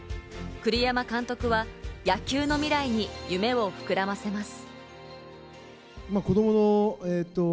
栗山監督は野球の未来に夢を膨らませます。